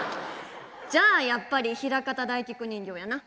じゃあやっぱりひらかた大菊人形やな。